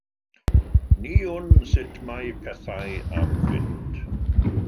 Ni wn sut mae pethau am fynd.